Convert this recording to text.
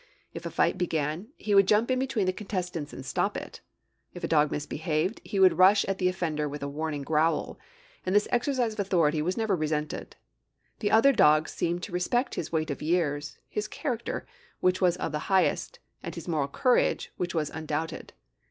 If a fight began, he would jump in between the contestants and stop it; if a dog misbehaved, he would rush at the offender with a warning growl; and this exercise of authority was never resented. The other dogs seemed to respect his weight of years, his character, which was of the highest, and his moral courage, which was undoubted.